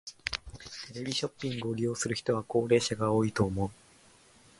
テレビショッピングを利用する人は高齢者が多いと思う。